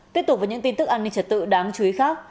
tiếp tục với những tin tức an ninh trật tự đáng chú ý khác